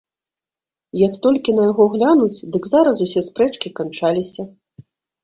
Як толькі на яго глянуць, дык зараз усе спрэчкі канчаліся.